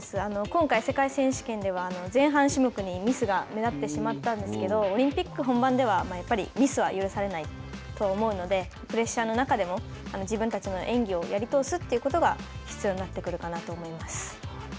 今回、世界選手権では、前半種目にミスが目立ってしまったんですけど、オリンピック本番では、やっぱりミスは許されないと思うので、プレッシャーの中でも自分たちの演技をやり通すということが、必要になってくるかなと思います。